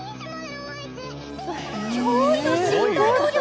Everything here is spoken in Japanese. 脅威の身体能力！